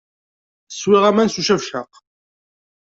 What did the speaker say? Swiɣ aman s ucabcaq.